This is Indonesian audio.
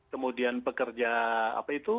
kemudian pekerja apa itu